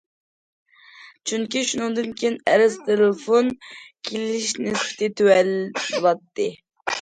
چۈنكى شۇنىڭدىن كېيىن ئەرز تېلېفون كېلىش نىسبىتى تۆۋەن بولاتتى.